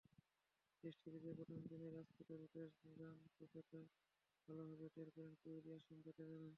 Test সিরিজের প্রথম দিনই রাজকোটে রুটের রান-ক্ষুধাটা ভালোভাবেই টের পেলেন কোহলি-অশ্বিন-জাদেজারা।